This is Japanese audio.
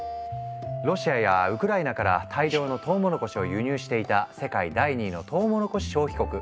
ロシアやウクライナから大量のトウモロコシを輸入していた世界第２位のトウモロコシ消費国中国。